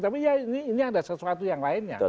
tapi ya ini ada sesuatu yang lainnya